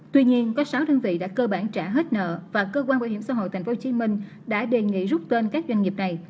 tuy nhiên có sáu đơn vị đã cơ bản trả hết nợ và cơ quan bảo hiểm xã hội tp hcm đã đề nghị rút tên các doanh nghiệp này